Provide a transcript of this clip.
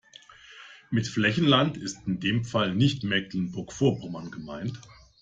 Mit Flächenland ist in dem Fall nicht Mecklenburg-Vorpommern gemeint.